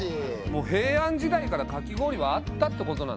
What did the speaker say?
もう平安時代からかき氷はあったってことなんだね？